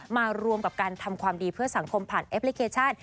มารวมกับการทำความดีเพื่อสังคมผ่านแอปพลิเคชัน